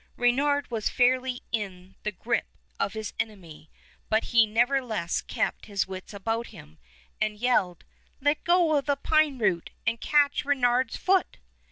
Reynard was fairly in the grip of his enemy, but he nevertheless kept his wits about him, and yelled, "Let go of the pine root and catch Reynard's foot!"